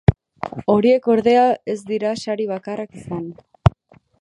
Horiek, ordea, ez dira sari bakarrak izan.